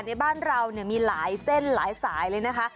ในบ้านเรามีหลายเส้นหลายสายเลยนะคะ